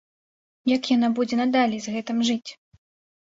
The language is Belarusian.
Як яна будзе надалей з гэтым жыць?